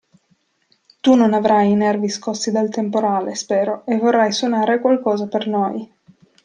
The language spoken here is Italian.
Tu non avrai i nervi scossi dal temporale, spero, e vorrai suonare qualcosa per noi.